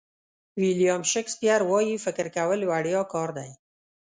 ویلیام شکسپیر وایي فکر کول وړیا کار دی.